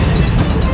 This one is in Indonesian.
aku tidak mau